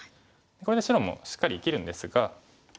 これで白もしっかり生きるんですが。